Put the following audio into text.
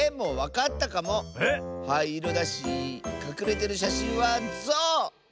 はいいろだしかくれてるしゃしんはゾウ！